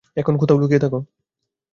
এখন কোথাও লুকিয়ে থাক।